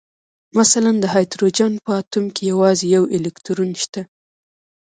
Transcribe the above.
مثلاً د هایدروجن په اتوم کې یوازې یو الکترون شته